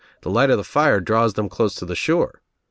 "The light of the fire draws them close to the shore.